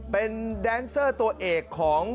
เป็นแดนเซอร์ตัวเอกของ